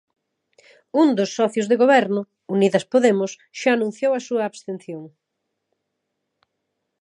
Un dos socios de Goberno, Unidas Podemos, xa anunciou a súa abstención.